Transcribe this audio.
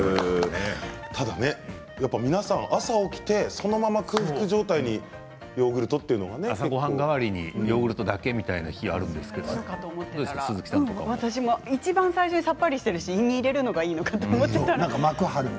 ただね、皆さん朝起きてそのまま空腹状態でヨーグルトというのはね。朝ごはん代わりにヨーグルトだけみたいな日があるんですけどいちばん最初にさっぱりしているし胃に入れるのがいいと思ってました。